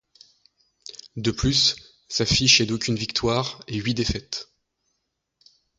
De plus, sa fiche est d'aucune victoire et huit défaites.